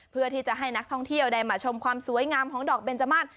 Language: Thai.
เพื่อที่จะให้นักท่องเที่ยวได้มาชมความสวยงามของดอกเบนจมัส